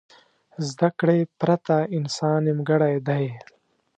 زده کړې پرته انسان نیمګړی دی.